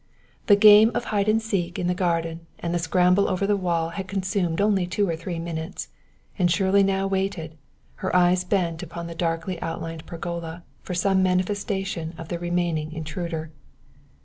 The game of hide and seek in the garden and the scramble over the wall had consumed only two or three minutes, and Shirley now waited, her eyes bent upon the darkly outlined pergola for some manifestation from the remaining intruder.